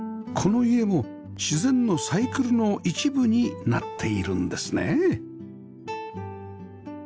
この家も自然のサイクルの一部になっているんですね